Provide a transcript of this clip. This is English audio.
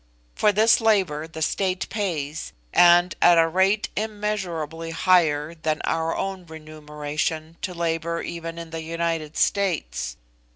For this labour the state pays, and at a rate immeasurably higher than our own remuneration to labour even in the United States.